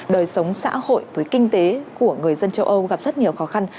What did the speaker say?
đời sống xã hội với kinh tế của người dân châu âu gặp rất nhiều khó khăn